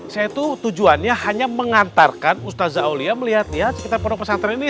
saya tuh tujuannya hanya mengantarkan ustazah aulia melihat lihat sekitar produk pesantren ini